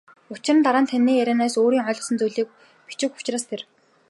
Учир нь дараа нь таны ярианаас өөрийн ойлгосон зүйлийг бичих учраас тэр.